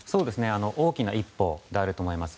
大きな一歩であると思います。